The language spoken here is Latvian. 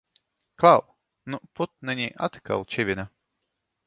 Klau! Nu putniņi atkal čivina!